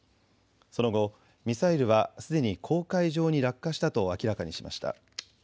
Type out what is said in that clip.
その後ミサイルはすでに公海上に落下したと明らかにしました。